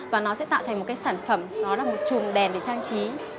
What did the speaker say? và nó sẽ tạo thành một cái sản phẩm nó là một chuồn đèn để trang trí